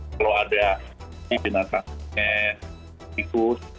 kalau ada binatang ikut